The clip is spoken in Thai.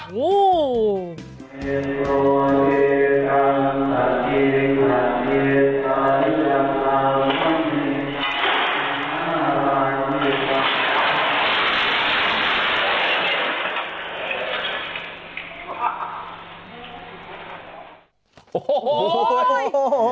โอ้โหโอ้โหโอ้โหโอ้โหโอ้โห